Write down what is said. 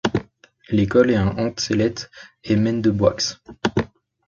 L'école est un entre Cellettes et Maine-de-Boixe.